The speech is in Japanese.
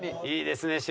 いいですね。